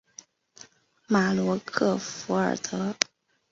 马罗克弗尔德。